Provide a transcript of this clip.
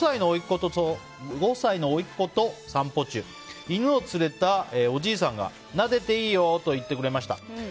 ５歳のおいっ子と散歩中犬を連れたおじいさんがなでていいよと言ってくれました。